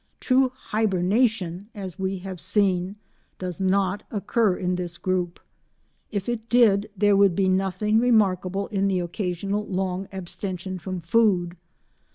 True hibernation, as we have seen, does not occur in this group; if it did, there would be nothing remarkable in the occasional long abstention from food.